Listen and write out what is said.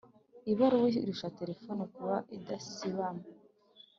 ibaruwa irusha terefoni kuba idasibama